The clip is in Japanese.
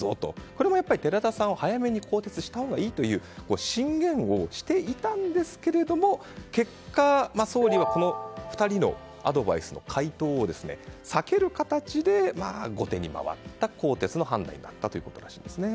これもやっぱり寺田さんを早めに更迭したほうがいいという進言をしていたんですけれども結果総理は、この２人のアドバイスの回答を避ける形で後手に回った更迭の判断になったということらしいです。